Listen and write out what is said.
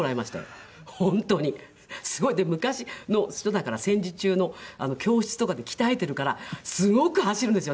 すごいで昔の人だから戦時中の教練とかで鍛えているからすごく走るんですよ。